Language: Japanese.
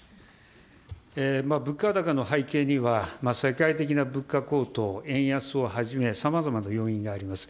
物価高の背景には、世界的な物価高騰、円安をはじめ、さまざまな要因があります。